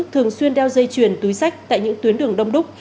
thường xuyên đeo dây chuyền túi sách tại những tuyến đường đông đúc